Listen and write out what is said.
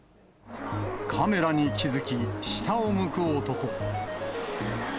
カメラに気付き、下を向く男。